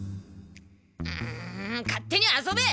うん勝手に遊べ！